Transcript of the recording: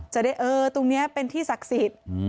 จะได้เออตรงนี้เป็นที่ศักดิ์สิทธิ์